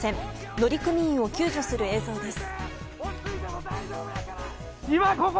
乗組員を救助する映像です。